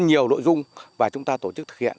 nhiều nội dung và chúng ta tổ chức thực hiện